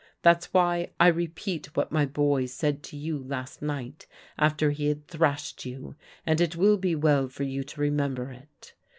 That's why [ repeat what my boy said to you last night after he had thrashed you, and it will be well for you to remember it.